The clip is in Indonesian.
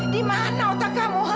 dimana otak kamu